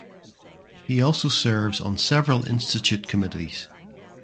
He also serves on several institute committees.